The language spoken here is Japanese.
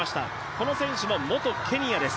この選手も、元ケニアです。